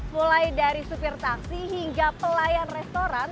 mulai dari supir taksi hingga pelayan restoran